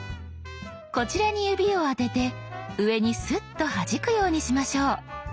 こちらに指を当てて上にスッとはじくようにしましょう。